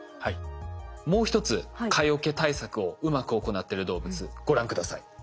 もう一つ蚊よけ対策をうまく行ってる動物ご覧下さい。